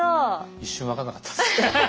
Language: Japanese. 一瞬分かんなかったです。